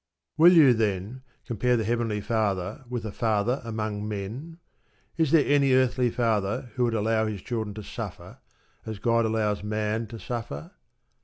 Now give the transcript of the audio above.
Will you, then, compare the Heavenly Father with a father among men? Is there any earthly father who would allow his children to suffer as God allows Man to suffer?